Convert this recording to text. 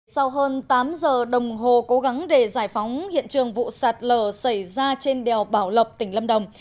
sau hơn tám giờ đồng hồ cố gắng để giải phóng hiện trường vụ sạt lở xảy ra trên đèo bảo lộc tỉnh lâm đồng